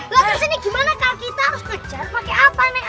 lo kesini gimana kalau kita harus ngejar pakai apa nek